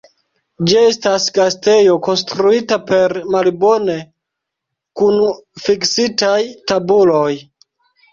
Ĝi estas gastejo konstruita per malbone kunfiksitaj tabuloj.